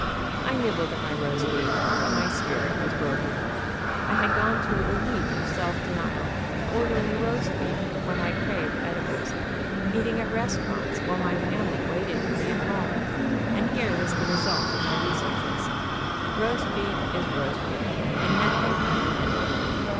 I nibbled at my roast beef, but my spirit was broken. I had gone through a week of self denial, ordering roast beef when I craved edibles, eating at restaurants while my family waited for me at home, and here was the result of my researches: Roast beef is roast beef, and nothing can prevent it.